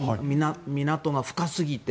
港が深すぎて。